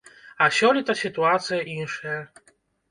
А сёлета сітуацыя іншая.